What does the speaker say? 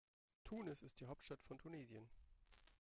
Tunis ist die Hauptstadt von Tunesien.